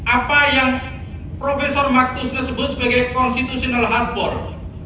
apa yang prof maktusne sebut sebagai constitutional hardball